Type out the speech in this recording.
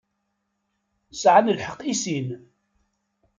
Sεan lḥeqq i sin.